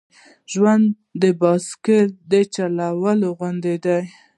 ژوند د بایسکل د چلولو غوندې دی.